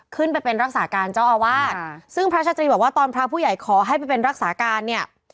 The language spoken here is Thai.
ไปเป็นรักษาการเจ้าอาวาสซึ่งพระชาตรีบอกว่าตอนพระผู้ใหญ่ขอให้ไปเป็นรักษาการเนี่ย